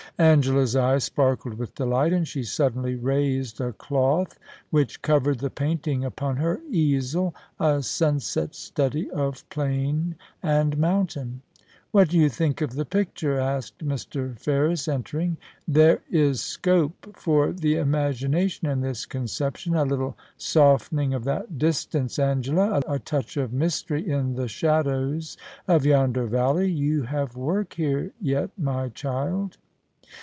* Angela's eyes sparkled with delight, and she suddenly raised a cloth which covered the painting upon her easel — a sunset study of plain and mountain. * What do you think of the picture T asked Mr. Ferris, entering. ' There is scope for the imagination in this con ception. A little softening of that distance, Angela. A touch of mystery in the shadows of yonder valley. You have work here yet, my child.